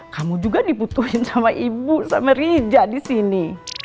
kamu juga diputuhin sama ibu sama rija di sini